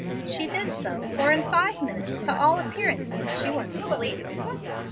She did so, for in five minutes, to all appearance, she was asleep.